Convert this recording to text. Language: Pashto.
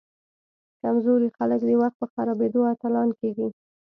کمزوري خلک د وخت په خرابیدو اتلان کیږي.